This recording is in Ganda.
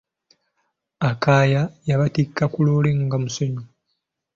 Akaya yabatikka ku loole ng'omusenyu.